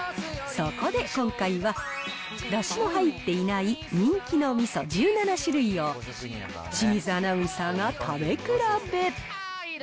そこで今回は、だしの入っていない人気のみそ１７種類を、清水アナウンサーが食べ比べ。